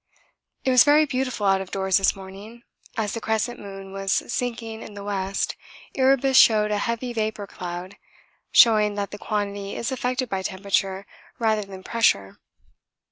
It was very beautiful out of doors this morning; as the crescent moon was sinking in the west, Erebus showed a heavy vapour cloud, showing that the quantity is affected by temperature rather than pressure.